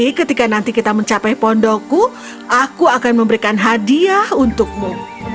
jadi ketika nanti kita mencapai pondokku aku akan memberikan hadiah untukmu